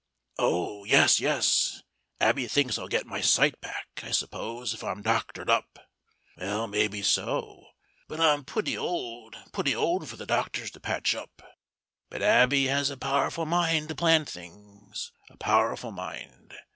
"Oh! yes, yes Abby thinks I'll get my sight back, I suppose, if I'm doctored up. Well, maybe so, but I'm pooty old pooty old for the doctors to patch up. But Abby has a powerful mind to plan things a powerful mind.